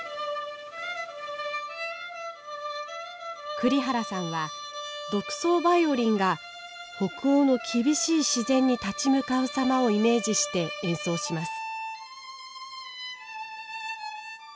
栗原さんは独奏バイオリンが北欧の厳しい自然に立ち向かう様をイメージして演奏します。